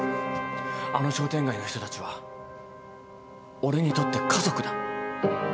あの商店街の人たちは俺にとって家族だ。